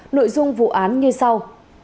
nội dung vụ án ngay sau